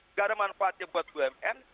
nggak ada manfaatnya buat bumn